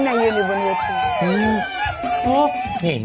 นั่นยืนอยู่บนวิทีโอ